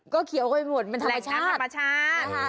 ก็เขียวเข้าไปหมดเป็นธรรมชาติ